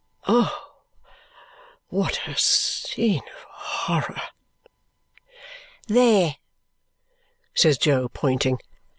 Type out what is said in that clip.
Oh, what a scene of horror!" "There!" says Jo, pointing.